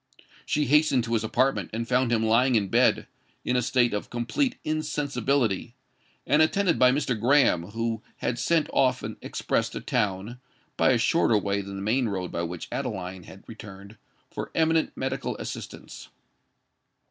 She hastened to his apartment, and found him lying in bed—in a state of complete insensibility—and attended by Mr. Graham, who had sent off an express to town (by a shorter way than the main road by which Adeline had returned) for eminent medical assistance.